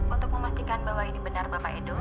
untuk memastikan bahwa ini benar bapak edo